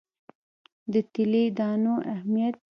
د تیلي دانو اهمیت.